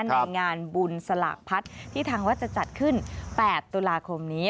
ในงานบุญสลากพัดที่ทางวัดจะจัดขึ้น๘ตุลาคมนี้